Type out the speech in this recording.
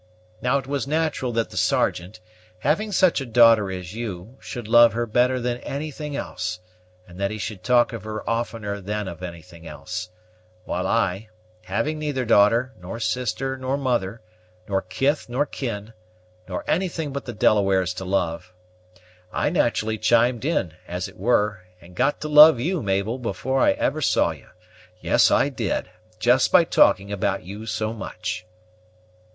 Now it was natural that the Sergeant, having such a daughter as you, should love her better than anything else, and that he should talk of her oftener than of anything else, while I, having neither daughter, nor sister, nor mother, nor kith, nor kin, nor anything but the Delawares to love, I naturally chimed in, as it were, and got to love you, Mabel, before I ever saw you yes, I did just by talking about you so much."